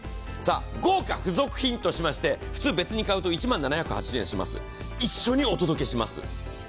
豪華付属品としまして普通別に買うと１万７８０円しますが、一緒にお届けします。